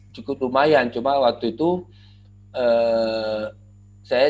cukup lumayan cuma waktu itu saya